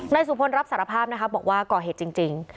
นายสุภนรับสารภาพบอกว่าก่อเหตุจริง